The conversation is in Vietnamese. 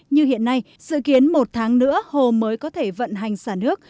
như hiện nay dự kiến một tháng nữa hồ mới có thể vận hành xả nước